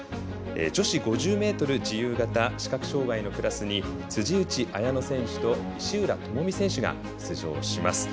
女子５０ｍ自由形視覚障がいのクラスに辻内彩野選手と石浦智美選手が登場します。